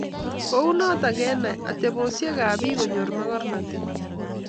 Kounoto Kenai. Atebosiekab bik konyor mogornotet